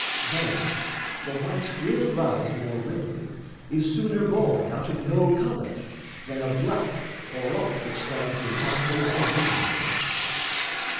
Verily, the white Will rise more readily, is sooner born Out of no colour, than of black or aught Which stands in hostile opposition thus.